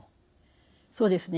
そうですね。